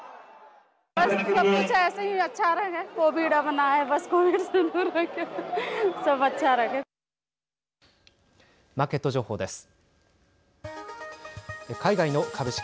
マーケット情報です。